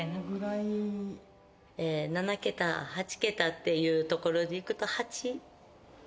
７桁８桁っていうところでいくと。